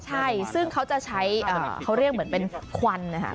ใช่ซึ่งเขาจะใช้เขาเรียกเหมือนเป็นควันนะคะ